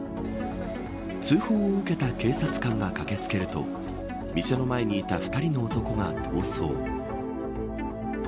通報を受けた警察官が駆け付けると店の前にいた２人の男が逃走。